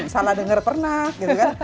salah dengar pernah gitu kan